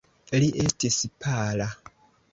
Li estis pala.